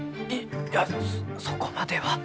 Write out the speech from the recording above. いやそこまでは。